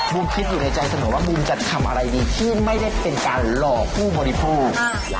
คิดอยู่ในใจเสมอว่าบูมจะทำอะไรดีที่ไม่ได้เป็นการหลอกผู้บริโภค